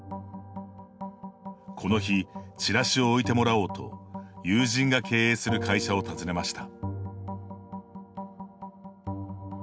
この日チラシを置いてもらおうと友人が経営する会社を訪ねました。